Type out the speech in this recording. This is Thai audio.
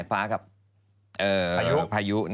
ีวความภายุ